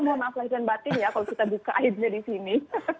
mohon maaf lahiran batin ya kalau kita buka airnya di sini